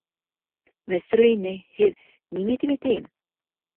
Мәстүрә инәй, һеҙ... нимә тип әйтәйем...